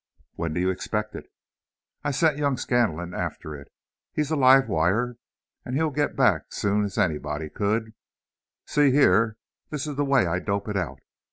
"When do you expect it?" "I've sent young Scanlon after it. He's a live wire, and he'll get back soon's anybody could. See here, this is the way I dope it out.